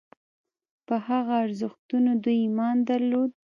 په هغه ارزښتونو دوی ایمان درلود.